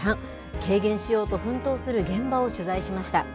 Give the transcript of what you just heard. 軽減しようと奮闘する現場を取材しました。